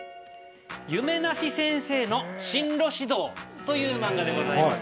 夢なし先生の進路指導という漫画です。